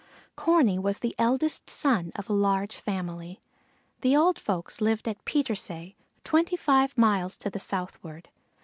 Corney was the eldest son of a large family. The old folks lived at Petersay, twenty five miles to the southward.